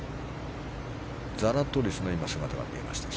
ザラトリスの姿が見えました。